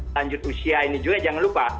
lanjut usia ini juga jangan lupa